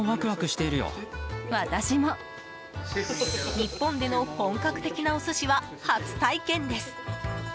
日本での本格的なお寿司は初体験です。